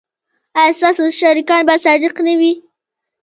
ایا ستاسو شریکان به صادق نه وي؟